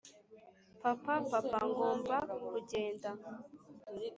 "papa, papa, ngomba kugenda.